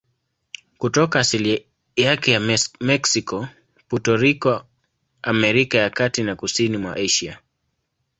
Kutoka asili yake ya Meksiko, Puerto Rico, Amerika ya Kati na kusini mwa Asia.